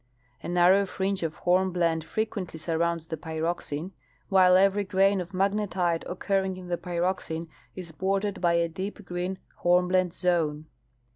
A narrow fringe of hornblende frequently surrounds the pyroxene, while every grain of magnetite occurring in the pyroxene is bordered by a deep green hornblende zone.